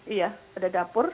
iya ada dapur